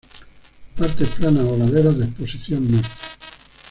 Partes planas o laderas de exposición norte.